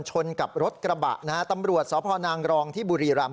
ชนกับรถกระบะนะฮะตำรวจสพนางรองที่บุรีรำ